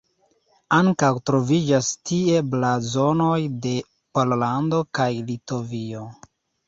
Ankaŭ troviĝas tie blazonoj de Pollando kaj Litovio.